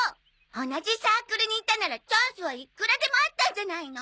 同じサークルにいたならチャンスはいくらでもあったんじゃないの？